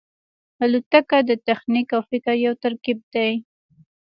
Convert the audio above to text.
الوتکه د تخنیک او فکر یو ترکیب دی.